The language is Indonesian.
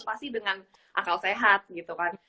pasti dengan akal sehat gitu kan